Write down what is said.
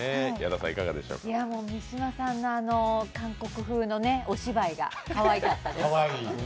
三島さんのあの韓国風のお芝居がかわいかったです。